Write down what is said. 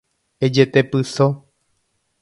Ejetepyso